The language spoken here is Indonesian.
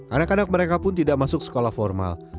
anak anak mereka pun tidak masuk sekolah formal